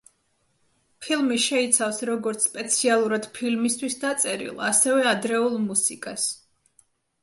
ფილმი შეიცავს როგორც სპეციალურად ფილმისთვის დაწერილ, ასევე ადრეულ მუსიკას.